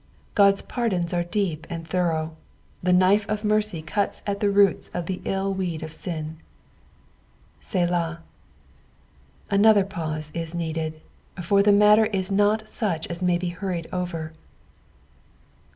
God's pardons are deep and thorough : the knife of mercy cuts at tlie roots of the ill weed of sin. '> 8elah. " Another pause is needed, for the matter is not sucb as may be hurried over.